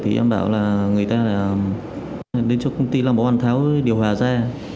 thì em bảo là người ta là đến cho công ty làm bộ ăn tháo điều hòa ra